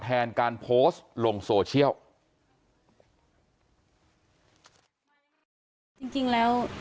แทนการโพสต์ลงโซเชียล